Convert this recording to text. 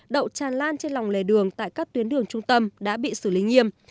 đậu tràn lan trên lòng lề đường tại các tuyến đường trung tâm đã bị xử lý nghiêm